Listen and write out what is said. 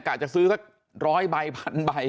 กล่าวจะซื้อแค่ร้อยใบพันใบ